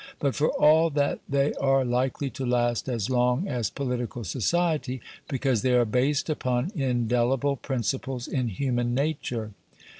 But for all that they are likely to last as long as political society, because they are based upon indelible principles in human nature.